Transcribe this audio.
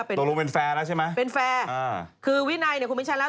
เป็นแฟร์คือวินัยคงไม่ใช่แล้ว